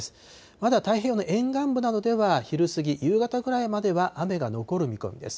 まだ太平洋の沿岸部などでは、昼過ぎ、夕方ぐらいまでは雨が残る見込みです。